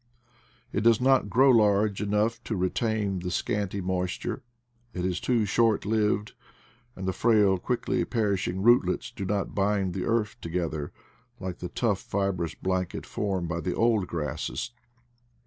It does not grow large enough to retain the scanty moisture, it is too short lived, and the frail quickly perishing rootlets do not bind the earth together, like the tough fibrous blanket formed by the old grasses.